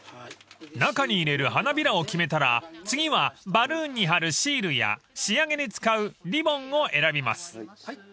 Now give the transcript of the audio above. ［中に入れる花びらを決めたら次はバルーンに貼るシールや仕上げに使うリボンを選びます］